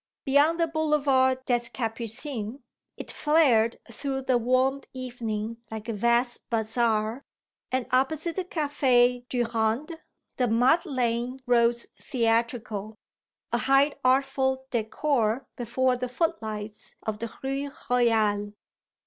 Beyond the Boulevard des Capucines it flared through the warm evening like a vast bazaar, and opposite the Café Durand the Madeleine rose theatrical, a high artful décor before the footlights of the Rue Royale.